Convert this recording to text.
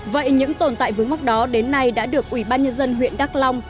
vậy những tồn tại vướng mắc đó đến nay đã được ủy ban nhân dân huyện đắk long